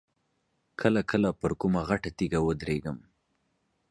کله کله پر کومه غټه تیږه ودرېږم.